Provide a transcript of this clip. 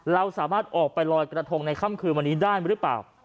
เราสามารถออกไปลอยกระทงในค่ำคืนวันนี้ได้หรือเปล่า